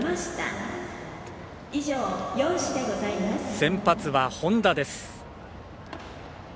先発は本田です。